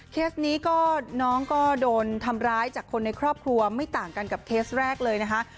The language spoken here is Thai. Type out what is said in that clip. เคสนี้ก็น้องก็โดนทำร้ายจากคนในครอบครัวไม่ต่างกันกับเคสแรกเลยนะคะ